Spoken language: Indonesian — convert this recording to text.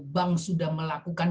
bank sudah melakukan